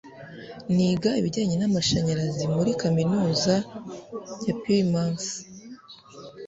niga ibijyanye n'amashanyarazi muri kaminuza ya plymouth